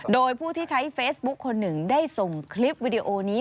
โดยผู้ที่ใช้เฟซบุ๊คคนหนึ่งได้ส่งคลิปวิดีโอนี้